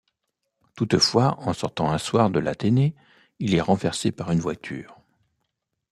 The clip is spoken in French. Toutefois, en sortant un soir de l'Athénée, il est renversé par une voiture.